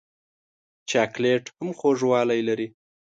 چاکلېټ هم خوږوالی لري.